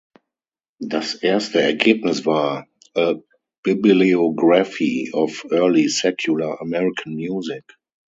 Das erste Ergebnis war "A Bibliography of Early Secular American Music".